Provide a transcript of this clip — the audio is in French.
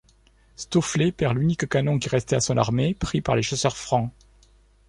Stofflet perd l'unique canon qui restait à son armée, pris par les chasseurs francs.